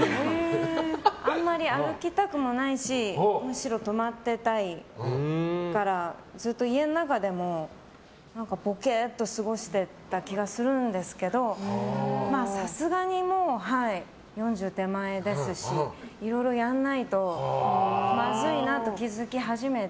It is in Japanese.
あんまり歩きたくもないしむしろ止まってたいからずっと家の中でも、ぼけーっと過ごしてた気がするんですけどさすがにもう４０手前ですしいろいろやらないとまずいなと気づき始めて。